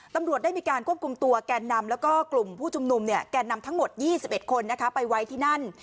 ตำรวจได้มีการควบคุมตัวแกนนำแล้วก็กลุ่มผู้ชุมนุมแกนนำทั้งหมด๒๑คนไปไว้ที่นั่น